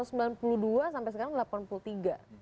sembilan puluh dua sampai sekarang delapan puluh tiga